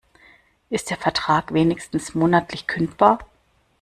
Ist der Vertrag wenigstens monatlich kündbar?